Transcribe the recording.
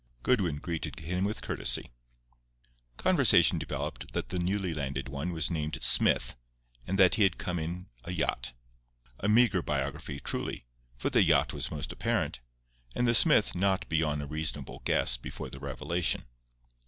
Goodwin greeted him with courtesy. Conversation developed that the newly landed one was named Smith, and that he had come in a yacht. A meagre biography, truly; for the yacht was most apparent; and the "Smith" not beyond a reasonable guess before the revelation.